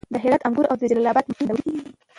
د هرات انګور او د جلال اباد مالټې خوندورې دي.